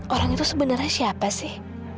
orang itu sebenarnya siapa sih